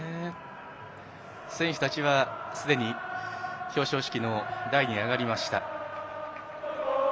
選手たちはすでに表彰式の台に上がりました。